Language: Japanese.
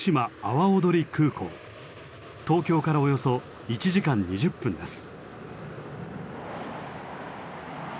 東京からおよそ１時間２０分です。